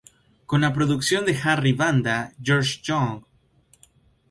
Con la producción de Harry Vanda, George Young.